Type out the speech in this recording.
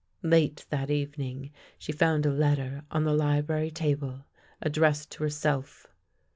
Late that evening she found a letter on the library table addressed to herself.